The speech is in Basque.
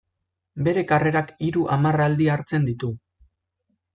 Bere karrerak hiru hamarraldi hartzen ditu.